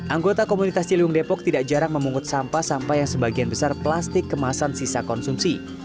anggota komunitas ciliwung depok tidak jarang memungut sampah sampah yang sebagian besar plastik kemasan sisa konsumsi